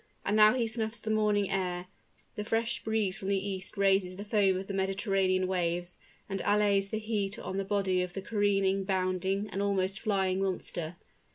And now he snuffs the morning air: the fresh breeze from the east raises the foam of the Mediterranean waves, and allays the heat on the body of the careening, bounding, and almost flying monster.